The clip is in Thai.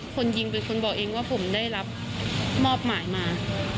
คนยิงเป็นคนบอกเองว่าผมได้รับมอบหมายมา